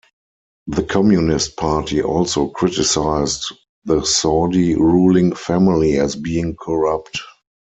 The Communist Party also criticized the Saudi ruling family as being corrupt.